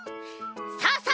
さあさあ